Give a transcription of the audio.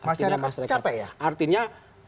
masyarakat capek ya artinya